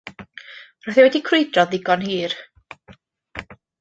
Roedd hi wedi crwydro'n ddigon hir.